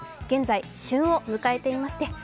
現在、旬を迎えていますね。